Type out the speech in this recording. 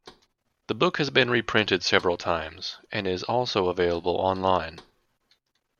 The book has been reprinted several times, and is also available online.